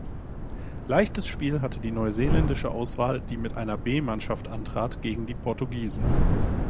Leichtes Spiel hatte die neuseeländische Auswahl, die mit einer B-Mannschaft antrat, gegen die Portugiesen.